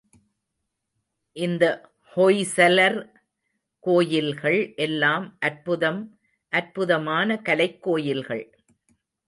இந்த ஹொய்சலர் கோயில்கள் எல்லாம் அற்புதம் அற்புதமான கலைக் கோயில்கள்.